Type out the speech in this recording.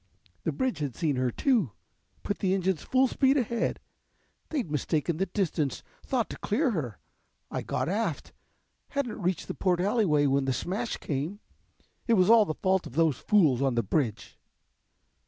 The bridge had seen her too and put the engines full speed ahead. They'd mistaken the distance, thought to clear her. I got aft. Hadn't reached the port alley way when the smash came. It was all the fault of those fools on the bridge."